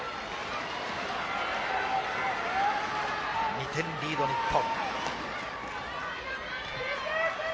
２点リード、日本。